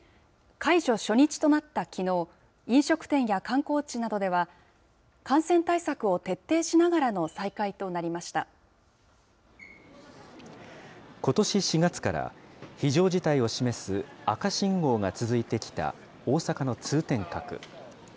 解除初日となったきのう、飲食店や観光地などでは、感染対策を徹底しながらの再開となりまことし４月から、非常事態を示す赤信号が続いてきた大阪の通天閣。